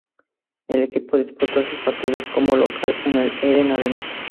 El equipo disputa sus partidos como local en el Eden Arena.